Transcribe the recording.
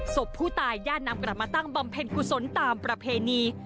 ศพผู้ตายญาตินำกลับมาตั้งบำเพ็ญกุศลตามประเพณี